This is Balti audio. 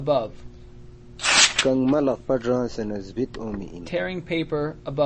کنگمہ لقپہ گرانگسے نہ زبید اونگمی اِن